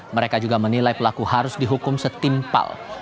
mereka juga menilai pelaku harus dihukum setimpal